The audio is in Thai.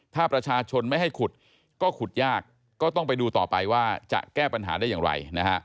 ถ้าประชาชนไม่ให้ขุดก็ขุดยากก็ต้องไปดูต่อไปว่าจะแก้ปัญหาได้อย่างไรนะฮะ